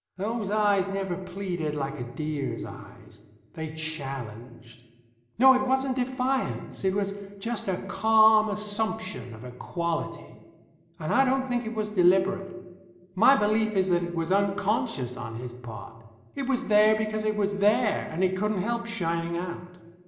Those eyes never pleaded like a deer's eyes. They challenged. No, it wasn't defiance. It was just a calm assumption of equality. And I don't think it was deliberate. My belief is that it was unconscious on his part. It was there because it was there, and it couldn't help shining out.